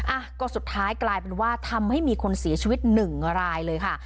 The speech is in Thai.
อ่ะก็สุดท้ายกลายเป็นว่าทำให้มีคนเสียชีวิตหนึ่งรายเลยค่ะ